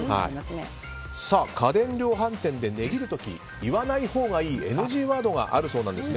家電量販店で値切る時言わないほうがいいＮＧワードがあるそうです。